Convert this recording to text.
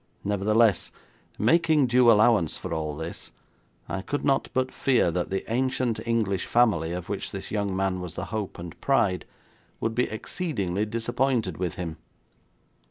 Nevertheless, making due allowance for all this, I could not but fear that the ancient English family, of which this young man was the hope and pride, would be exceedingly disappointed with him.